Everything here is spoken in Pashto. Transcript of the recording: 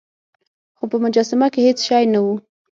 خو په مجسمه کې هیڅ شی نه و.